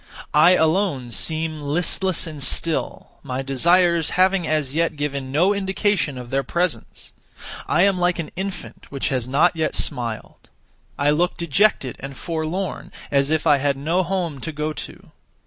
I alone seem listless and still, my desires having as yet given no indication of their presence. I am like an infant which has not yet smiled. I look dejected and forlorn, as if I had no home to go to.